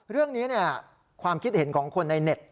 เรื่องนี้ความคิดเห็นของคนในเน็ต